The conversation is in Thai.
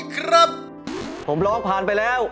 ขอบคุณค่ะ